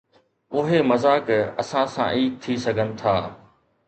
اهي مذاق اسان سان ئي ٿي سگهن ٿا.